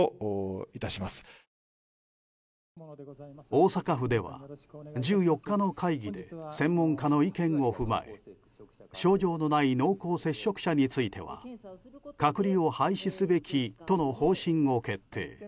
大阪府では１４日の会議で専門家の意見を踏まえ症状のない濃厚接触者については隔離を廃止すべきとの方針を決定。